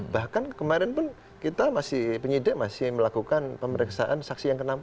bahkan kemarin pun kita masih penyidik masih melakukan pemeriksaan saksi yang ke enam